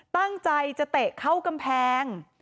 ตั้งใจจะเตะเข้ากำแพง